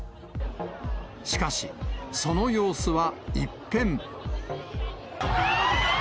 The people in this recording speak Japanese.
しかし、その様子は一変。